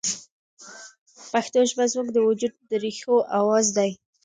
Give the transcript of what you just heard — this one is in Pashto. پښتو ژبه زموږ د وجود د ریښو اواز دی